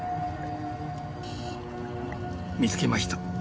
見つけました。